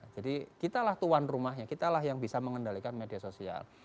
jadi kita lah tuan rumahnya kita lah yang bisa mengendalikan media sosial